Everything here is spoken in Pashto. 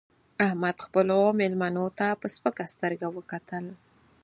احمد خپلو مېلمنو ته په سپکه سترګه وکتل